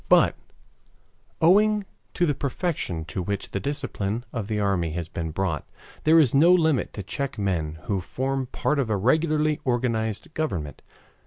But, owing to the perfection to which the discipline of the army has been brought, there is no limit to check men who form part of a regularly organized government.